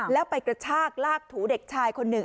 แล้วไปกระชากลากถูเด็กชายคนหนึ่ง